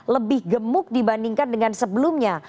lebih gemuk dibandingkan dengan sebelumnya